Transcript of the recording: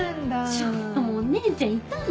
ちょっとお姉ちゃんいたの？